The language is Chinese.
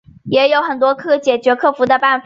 也有很多解决克服的方法